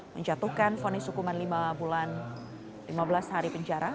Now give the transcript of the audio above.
menjatuhkan fonis hukuman lima bulan lima belas hari penjara